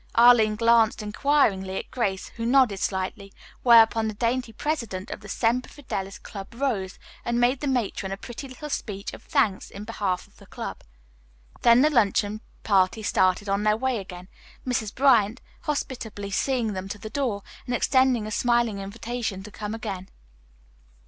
Arline glanced inquiringly at Grace, who nodded slightly, whereupon the dainty president of the Semper Fidelis Club rose and made the matron a pretty little speech of thanks in behalf of the club. Then the luncheon party started on their way again, Mrs. Bryant hospitably seeing them to the door and extending a smiling invitation to come again.